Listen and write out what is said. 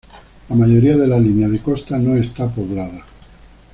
La mayoría de la línea de costa no está poblada.